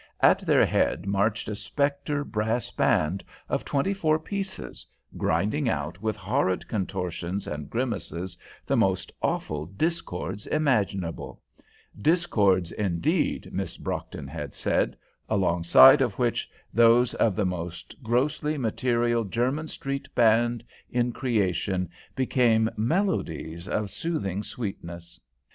At their head marched a spectre brass band of twenty four pieces, grinding out with horrid contortions and grimaces the most awful discords imaginable discords, indeed, Miss Brockton had said, alongside of which those of the most grossly material German street band in creation became melodies of soothing sweetness.